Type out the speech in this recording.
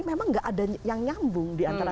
memang nggak ada yang nyambung diantara